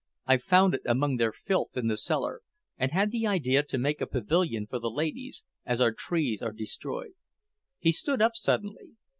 "I found it among their filth in the cellar, and had the idea to make a pavilion for the ladies, as our trees are destroyed." He stood up suddenly.